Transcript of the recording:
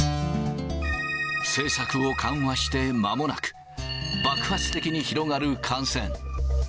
政策を緩和してまもなく、爆発的に広がる感染。